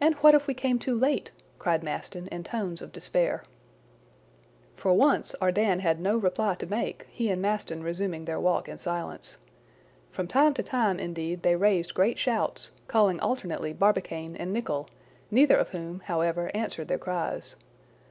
"And what if we came too late?" cried Maston in tones of despair. For once Ardan had no reply to make, he and Maston resuming their walk in silence. From time to time, indeed, they raised great shouts, calling alternately Barbicane and Nicholl, neither of whom, however, answered their cries.